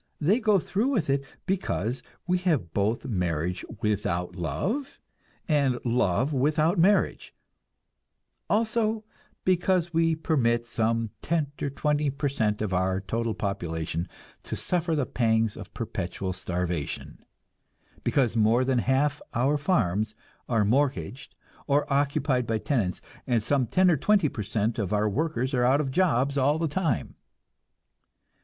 They go through with it because we have both marriage without love, and love without marriage; also because we permit some ten or twenty per cent of our total population to suffer the pangs of perpetual starvation, because more than half our farms are mortgaged or occupied by tenants, and some ten or twenty per cent of our workers are out of jobs all the time.